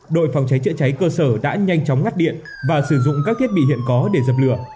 đội phòng cháy chữa cháy cơ sở đã nhanh chóng ngắt điện và sử dụng các thiết bị hiện có để dập lửa